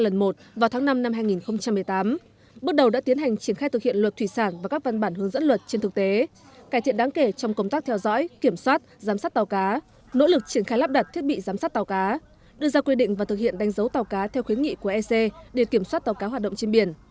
đoàn thanh tra ec đã có nhiều tiến bộ so với đợt kiểm tra lần một vào tháng năm năm hai nghìn một mươi tám bước đầu đã tiến hành triển khai thực hiện luật thủy sản và các văn bản hướng dẫn luật trên thực tế cải thiện đáng kể trong công tác theo dõi kiểm soát giám sát tàu cá nỗ lực triển khai lắp đặt thiết bị giám sát tàu cá đưa ra quy định và thực hiện đánh dấu tàu cá theo khuyến nghị của ec để kiểm soát tàu cá hoạt động trên biển